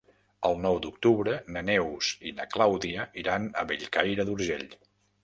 El nou d'octubre na Neus i na Clàudia iran a Bellcaire d'Urgell.